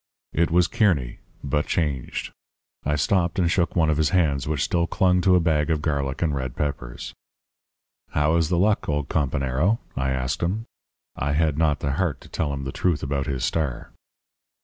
"It was Kearny but changed. I stopped and shook one of his hands, which still clung to a bag of garlic and red peppers. "'How is the luck, old companero?' I asked him. I had not the heart to tell him the truth about his star.